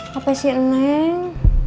hp si neng